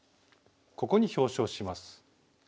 ここに表彰します」。